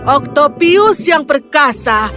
octopius yang perkasa